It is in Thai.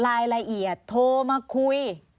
รายละเอียดโทรมาคุย